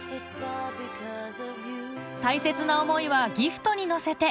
大切な思いはギフトに乗せて